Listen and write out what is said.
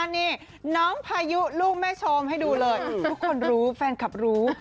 นี่น้องพายุลูกแม่ชมให้ดูเลยทุกคนรู้แฟนคลับรู้